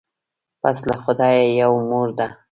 پس له خدایه یوه مور ده